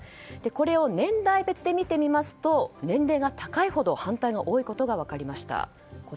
これを年代別で見てみますと年齢が高いほど反対が多いことが分かりました。